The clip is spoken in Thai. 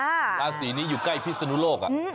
ราศีนี้อยู่ใกล้พิศนุโลก